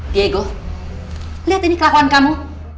diego lihat ini kelakuan kamu